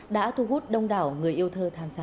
đã thu hút đông đảo người yêu thơ tham gia